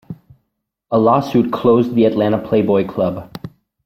A lawsuit closed the Atlanta Playboy Club.